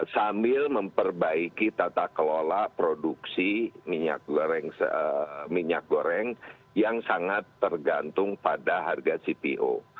sambil memperbaiki tata kelola produksi minyak goreng minyak goreng yang sangat tergantung pada harga cpo